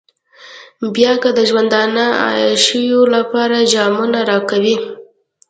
بيا که د ژوندانه عياشيو لپاره جامونه راکوئ.